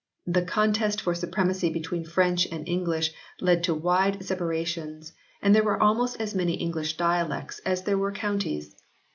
The contest for supremacy between French and English led to wide separations, and there were almost as many English dialects as there were counties.